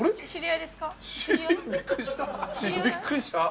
びっくりした。